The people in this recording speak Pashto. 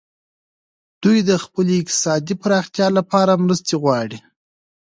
دوی د خپلې اقتصادي پراختیا لپاره مرستې غواړي